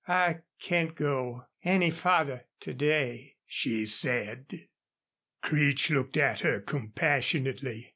"I can't go any farther to day," she said. Creech looked at her compassionately.